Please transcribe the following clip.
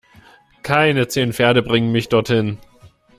Keine zehn Pferde bringen mich dorthin!